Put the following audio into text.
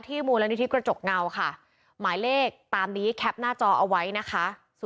มูลนิธิกระจกเงาค่ะหมายเลขตามนี้แคปหน้าจอเอาไว้นะคะ